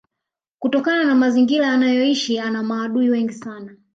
kutokana na mazingira anayoishi ana maadui wengi sana